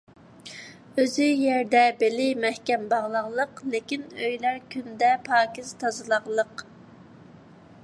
ئۆزى يەردە بېلى مەھكەم باغلاغلىق، لېكىن ئۆيلەر كۈندە پاكىز تازىلاقلىق.